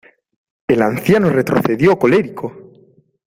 El anciano retrocedió colérico.